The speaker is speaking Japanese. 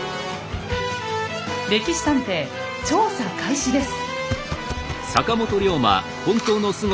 「歴史探偵」調査開始です。